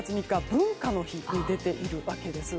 文化の日に出ているわけです。